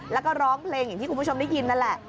แล้วก็ร้องเพลงอย่างที่คุณผู้ชมได้ยินนั่นแหละ